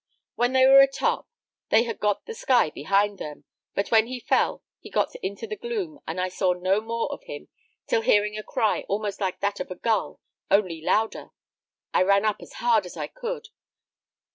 When they were a top, they had got the sky behind them; but when he fell, he got into the gloom, and I saw no more of him, till hearing a cry almost like that of a gull, only louder, I ran up as hard as I could.